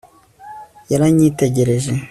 yaranyitegereje